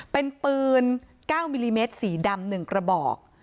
เป็นปืน๙มิลลิเมตรสีดำ๑กระบอก